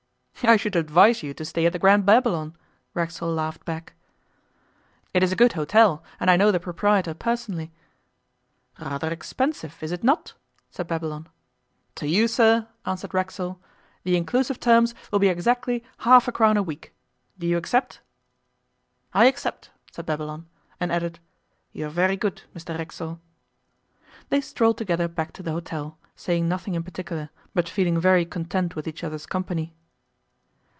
'I should advise you to stay at the Grand Babylon,' Racksole laughed back. 'It is a good hotel, and I know the proprietor personally.' 'Rather expensive, is it not?' said Babylon. 'To you, sir,' answered Racksole, 'the inclusive terms will be exactly half a crown a week. Do you accept?' 'I accept,' said Babylon, and added, 'You are very good, Mr Racksole.' They strolled together back to the hotel, saying nothing in particular, but feeling very content with each other's company.